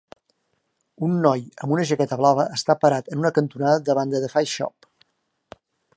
Un noi amb una jaqueta blava està parat en una cantonada davant de THEFACESHOP.